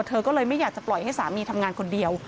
เธอก็เลยไม่อยากจะปล่อยให้สามีทำงานคนเดียว